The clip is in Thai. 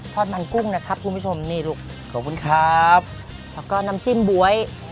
มันกุ้งนะครับคุณผู้ชมนี่ลูกขอบคุณครับแล้วก็น้ำจิ้มบ๊วย